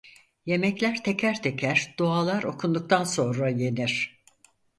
Yemekler teker teker dualar okunduktan sonra yenir.